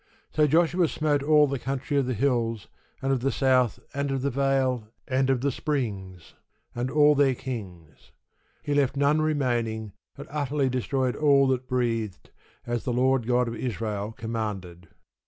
So Joshua smote all the country of the hills, and of the south, and of the vale, and of the springs, and all their kings: he left none remaining, but utterly destroyed all that breathed, as the Lord God of Israel commanded.